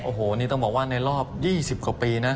โอ้โหนี่ต้องบอกว่าในรอบ๒๐กว่าปีนะ